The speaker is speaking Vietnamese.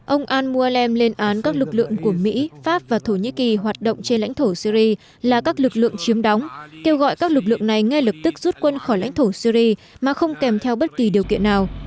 ông al mualem lên án các lực lượng của mỹ pháp và thổ nhĩ kỳ hoạt động trên lãnh thổ syri là các lực lượng chiếm đóng kêu gọi các lực lượng này ngay lập tức rút quân khỏi lãnh thổ syri mà không kèm theo bất kỳ điều kiện nào